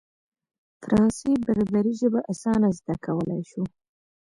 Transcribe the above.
فرانسې بربري ژبه اسانه زده کولای شو.